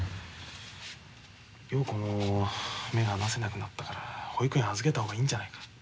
陽子の目が離せなくなったから保育園預けた方がいいんじゃないか？